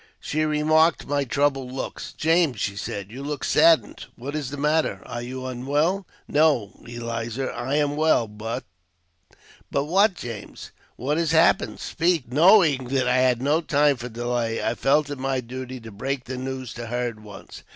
She remarked my troubled looks. '' James," she said, "you look saddened; what is the matter? Are you unwell ?"" No, Ehza, I am well ; but "" But what, James ? What has happened ? Speak !" Knowing that I had no time for delay, I felt it my duty to break the news to her at once.